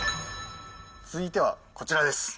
続いてはこちらです。